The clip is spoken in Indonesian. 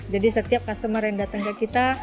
jadi setiap customer yang datang ke kita